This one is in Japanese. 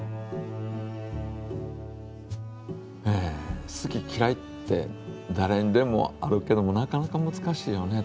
え好ききらいってだれにでもあるけどもなかなかむずかしいよね